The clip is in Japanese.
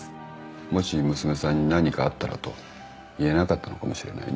もし娘さんに何かあったらと言えなかったのかもしれないね。